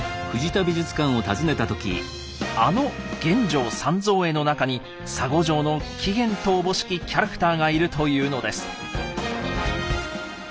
あの「玄奘三蔵絵」の中に沙悟淨の起源とおぼしきキャラクターがいるというのです。